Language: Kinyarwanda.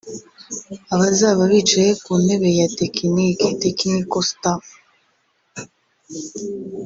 Abazaba bicaye ku ntebe ya tekinike (Technical Staff)